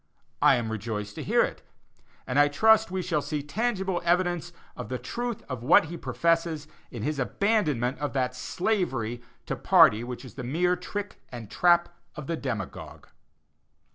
I am rejoiced to hear it, and I trust we shall see tangible evidence of the truth of what he professes in his abandonment of that slavery to party which is the mere trick and trap of the demagogue.